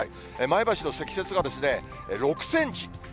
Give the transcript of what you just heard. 前橋の積雪はですね、６センチ。